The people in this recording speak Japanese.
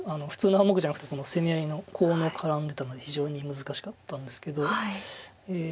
普通の半目じゃなくてこの攻め合いのコウの絡んでたので非常に難しかったんですけど。